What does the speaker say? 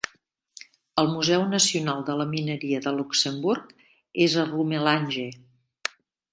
El Museu Nacional de la Mineria de Luxemburg és a Rumelange.